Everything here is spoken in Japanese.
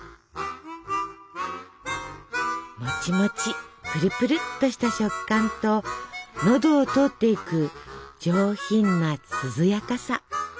もちもちプルプルっとした食感と喉を通っていく上品な涼やかさ。